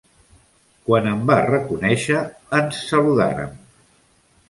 Quan em va reconèixer, ens saludàrem.